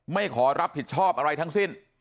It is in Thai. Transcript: ไม่ขอรับผิดชอบอะไรทั้งสิ้น